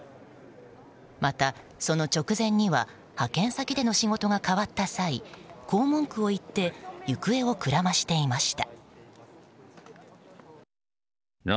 またその直前には派遣先での仕事が変わった際こう文句を言って行方をくらましていました。